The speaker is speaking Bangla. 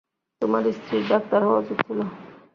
তোমার স্ত্রীর ডাক্তার হওয়া উচিত ছিল!